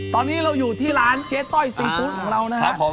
ตอนนี้เราอยู่ที่ร้านเจ๊ต้อยซีฟู้ดของเรานะครับผม